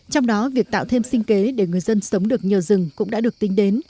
trong đó việc tạo thêm sinh kế để người dân sống được nhờ rừng cũng đã được tính đến